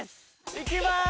いきます！